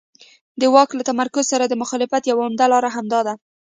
د واک له تمرکز سره د مخالفت یو عمده لامل همدا دی.